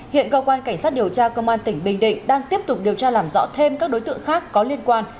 hiện cơ quan cảnh sát điều tra công an tỉnh bình định đang tiếp tục điều tra làm rõ thêm các đối tượng khác có liên quan